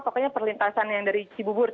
pokoknya perlintasan yang dari cibubur